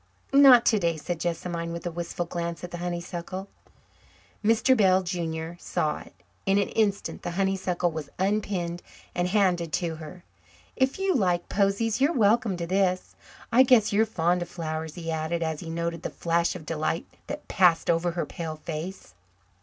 "Not today," said Jessamine, with a wistful glance at the honeysuckle. Mr. Bell, junior, saw it. In an instant the honeysuckle was unpinned and handed to her. "If you like posies, you're welcome to this. I guess you're fond of flowers," he added, as he noted the flash of delight that passed over her pale face.